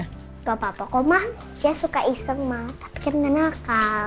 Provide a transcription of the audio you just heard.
gak apa apa kok mah dia suka iseng mah tapi dia gak nakal